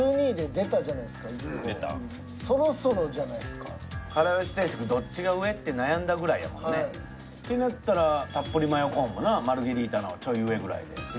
そろそろじゃないですか？から好定食どっちが上？って悩んだぐらいやもんね。ってなったらたっぷりマヨコーンもなマルゲリータのちょい上ぐらいで。